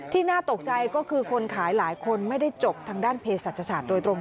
น่าตกใจก็คือคนขายหลายคนไม่ได้จบทางด้านเพศศาสตร์โดยตรง